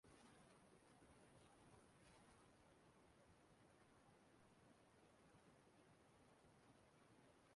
huo aka n'afọ ma bie ezigbo ubiri dara ụda